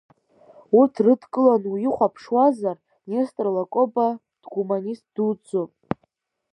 Урҭ дрыдкыланы уихәаԥшуазар, Нестор Лакоба дгуманист дуӡӡоуп.